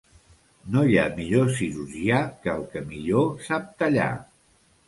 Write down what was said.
No hi ha millor cirurgià que el que millor sap tallar.